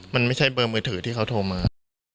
มันไม่ใช่เบอร์มือถือที่เขาโทรมา